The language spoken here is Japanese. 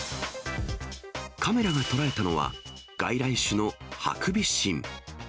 カメラが捉えたのは、外来種のハクビシン。